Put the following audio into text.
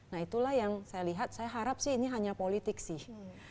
nah itulah yang saya lihat saya harap sih ini hanya politik sih